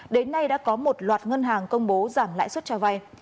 đến nay đã có một loạt ngân hàng công bố giảm lãi suất cho vay